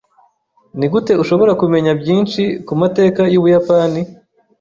Nigute ushobora kumenya byinshi ku mateka y'Ubuyapani?